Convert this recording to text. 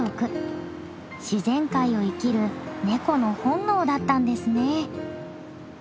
自然界を生きるネコの本能だったんですね。